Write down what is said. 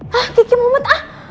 hah kiki memut